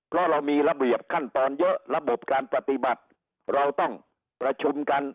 เพราะเรามีระเบียบขั้นตอนเยอะระบบการปฏิบัติเราต้องประชุมกัน